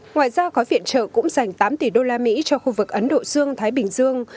ngoài ra gói viện trợ cũng dành tám tỷ usd cho khu vực ấn độ dương thái bình dương